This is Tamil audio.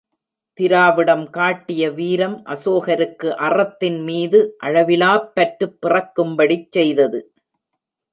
திராவிடம் காட்டிய வீரம் அசோகருக்கு அறத்தின் மீது அளவிலாப் பற்றுப் பிறக்கும்படிச் செய்தது.